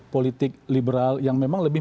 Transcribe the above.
politik liberal yang memang lebih